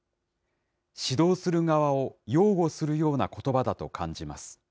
指導する側を擁護するようなことばだと感じます。